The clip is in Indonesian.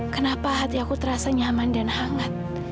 kenapa hati aku terasa nyaman dan hangat